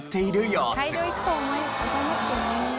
「会場行くと残りますよね」